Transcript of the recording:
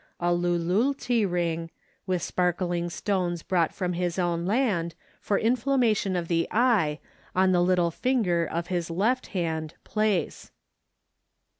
A lululti ring, with sparkling stones Brought from his own land, For inflammation of the eye, On the little finger Of his left (hand), place.